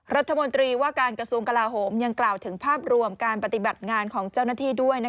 รัฐมนตรีว่าการกระทรวงกลาโหมยังกล่าวถึงภาพรวมการปฏิบัติงานของเจ้าหน้าที่ด้วย